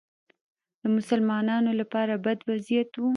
د مسلمانانو لپاره بد وضعیت و